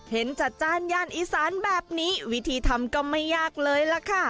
เห็นจัดจ้านย่านอีสานแบบนี้วิธีทำก็ไม่ยากเลยล่ะค่ะ